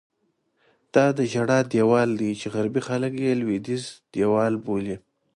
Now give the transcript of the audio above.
دا د ژړا دیوال دی چې غربي خلک یې لوېدیځ دیوال بولي.